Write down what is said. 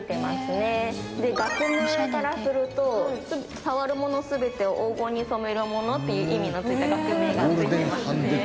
で学名からすると触るもの全てを黄金に染めるものっていう意味のついた学名が付いてますね。